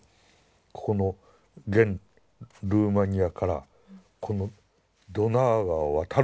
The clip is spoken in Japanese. ここの現ルーマニアからこのドナウ川を渡るんです。